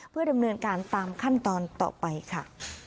เพื่อดำเนินการตามขั้นตอนต่อไปค่ะ